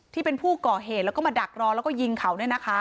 ที่เป็นผู้ก่อเหสมาดักล่อยและยิงเขา